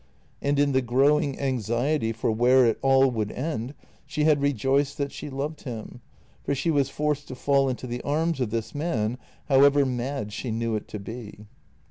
— and in the growing anxiety for where it all would lead, she had rejoiced that she loved him, for she was forced to fall into the arms of this man, however mad she knew it to be.